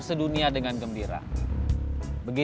suka ketemu lagi